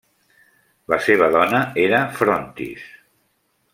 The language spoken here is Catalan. La seva dona era Frontis.